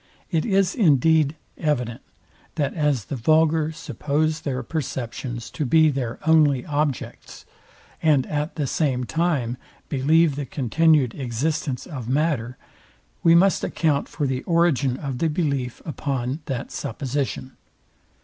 It is indeed evident, that as the vulgar suppose their perceptions to be their only objects, and at the same time believe the continued existence of matter, we must account for the origin of the belief upon that supposition.